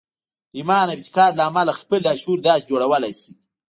د ايمان او اعتقاد له امله خپل لاشعور داسې جوړولای شئ.